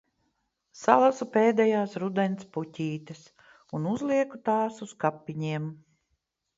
Salasu pēdējās rudens puķītes un uzlieku tās uz kapiņiem.